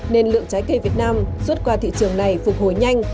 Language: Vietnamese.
nên lượng trái cây việt nam xuất qua thị trường này phục hồi nhanh